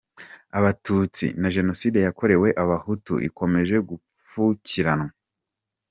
Abatutsi na jenoside yakorewe Abahutu ikomeje gupfukiranwa.